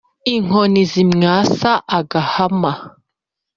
inkoni zimwasa agahama